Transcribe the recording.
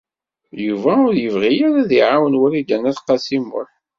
Yuba ur yebɣi ara ad iɛawen Wrida n At Qasi Muḥ.